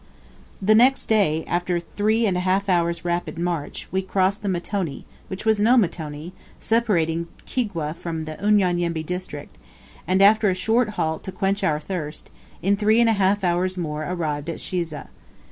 The next day, after a three and a half hours' rapid march, we crossed the mtoni which was no mtoni separating Kigwa from Unyanyembe district, and after a short halt to quench our thirst, in three and a half hours more arrived at Shiza.